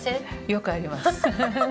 よくあります。